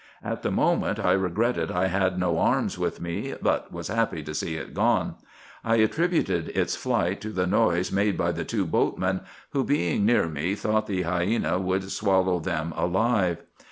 At the moment I regretted I had no arms with me, but was happy to see it gone. I attributed its flight to the noise made by the two boatmen, who being near me thought the hyena would swallow them alive.